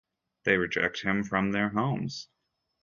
They reject him from their homes.